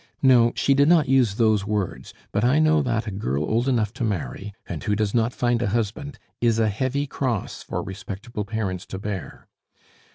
"No, she did not use those words; but I know that a girl old enough to marry and who does not find a husband is a heavy cross for respectable parents to bear.